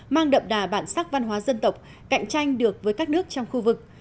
mang đậm đà bản sắc văn hóa dân tộc cạnh tranh được với các nước trong khu vực